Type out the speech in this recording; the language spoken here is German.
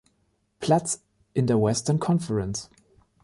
Platz in der Western Conference.